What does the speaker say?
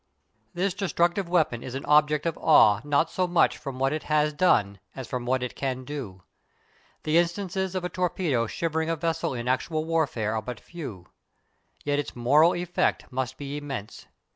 This destructive weapon is an object of awe not so much from what it has done as from what it can do. The instances of a torpedo shivering a vessel in actual warfare are but few. Yet its moral effect must be immense.